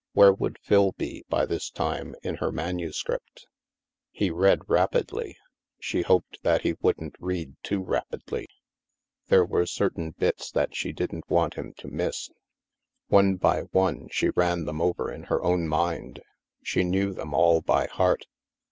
Where would Phil be, by this time, in her manuscript? He read rapidly. She hoped that he wouldn't read too rapidly. There were certain bits that she didn't want him to miss. One by one, she ran them over in her own mind. She knew them all by heart.